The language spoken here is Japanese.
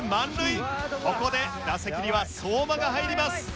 ここで打席には相馬が入ります。